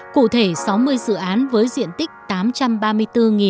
cụ thể sáu mươi dự án với diện tích